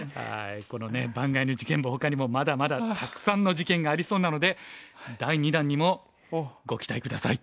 このね盤外の事件簿ほかにもまだまだたくさんの事件がありそうなので第２弾にもご期待下さい。